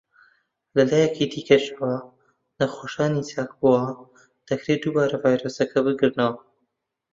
لە لایەکی دیکەشەوە، نەخۆشانی چاکبووەوە دەکرێت دووبارە ڤایرۆسەکە بگرنەوە.